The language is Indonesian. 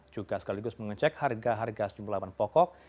juga sekaligus mengecek harga harga jumlah ban pokok